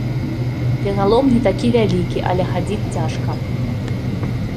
Пералом не такі вялікі, але хадзіць цяжка.